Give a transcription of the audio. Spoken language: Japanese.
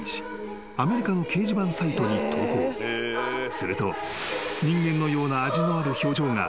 ［すると］